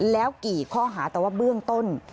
แล้วกี่ข้อหาแต่ว่าเบื้องต้น